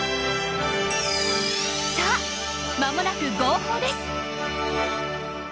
さあ間もなく号砲です。